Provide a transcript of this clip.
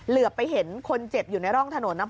เหลือไปเห็นคนเจ็บอยู่ในร่องถนนนะ